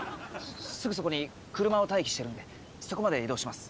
すぐそこに車を待機してるんでそこまで移動します。